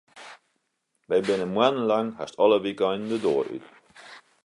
Wy binne moannen lang hast alle wykeinen de doar út.